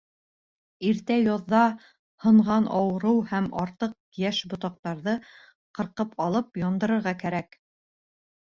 Иртә яҙҙа һынған ауырыу һәм артыҡ йәш ботаҡтарҙы ҡырҡып алып яндырырға кәрәк.